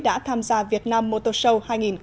đã tham gia việt nam motor show hai nghìn một mươi chín